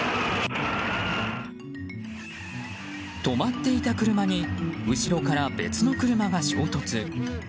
止まっていた車に後ろから別の車が衝突。